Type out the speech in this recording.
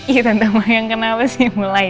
ih tante mayang kenapa sih mulai deh